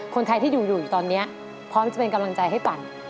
คนไทยที่อยู่อยู่ตอนนี้พร้อมจะเป็นกำลังใจให้ปั่น